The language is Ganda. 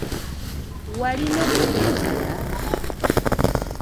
Walina emmere emala?